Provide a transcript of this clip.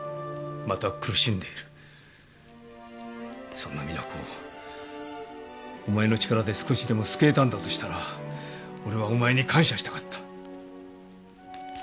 そんな実那子をお前の力で少しでも救えたんだとしたら俺はお前に感謝したかった。